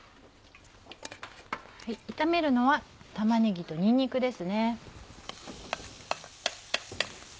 炒めるのは玉ねぎとにんにくです。